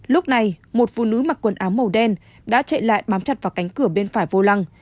lúc này một phụ nữ mặc quần áo màu đen đã chạy lại bám chặt vào cánh cửa bên phải vô lăng